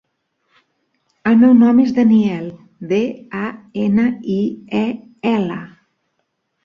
El meu nom és Daniel: de, a, ena, i, e, ela.